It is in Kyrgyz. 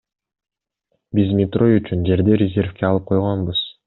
Биз метро үчүн жерди резервге алып койгонбуз.